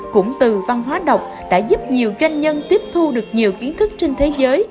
cũng từ văn hóa đọc đã giúp nhiều doanh nhân tiếp thu được nhiều kiến thức trên thế giới